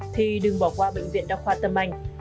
thì đừng bỏ qua bệnh viện đa khoa tâm anh